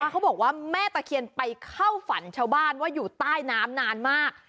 เขาบอกว่าแม่ตะเคียนไปเข้าฝันชาวบ้านว่าอยู่ใต้น้ำนานมาก